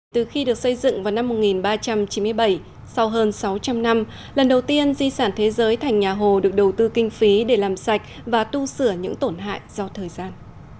từ khi được xây dựng vào năm một nghìn ba trăm chín mươi bảy sau hơn sáu trăm linh năm lần đầu tiên di sản thế giới thành nhà hồ được đầu tư kinh phí để làm sạch và tu sửa những tổn hại do thời gian